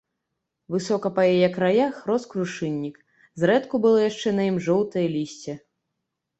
Высока па яе краях рос крушыннік, зрэдку было яшчэ на ім жоўтае лісце.